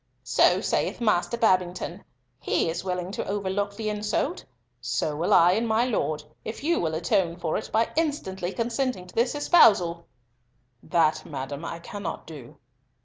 "So saith Master Babington. He is willing to overlook the insult, so will I and my Lord, if you will atone for it by instantly consenting to this espousal." "That, madam, I cannot do."